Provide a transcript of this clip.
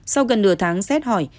sau gần nửa tháng xét hỏi